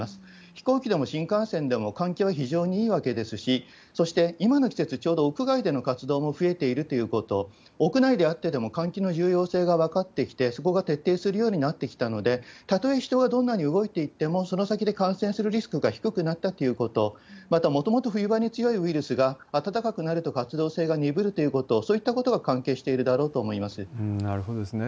飛行機でも新幹線でも、環境は非常にいいわけですし、そして、今の季節、ちょうど屋外での活動も増えているということ、屋内であってでも換気の重要性が分かれてきて、そこが徹底するようになってきたので、たとえ人がどのように動いていっても、その先で感染するリスクが低くなったということ、またもともと冬場に強いウイルスが、暖かくなると活動性がにぶるということ、そういったことが関係していなるほどですね。